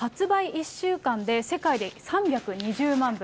１週間で世界で３２０万部。